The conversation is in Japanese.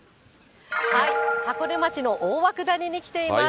箱根町の大涌谷に来ています。